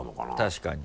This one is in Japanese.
確かに。